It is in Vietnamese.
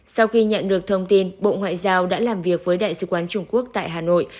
sau khi nhận được thông tin bộ ngoại giao đã làm việc với đại sứ quán trung quốc tại hà nội